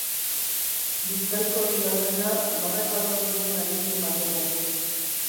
Bizkaiko bigarrena, Barakaldon duenarekin batera.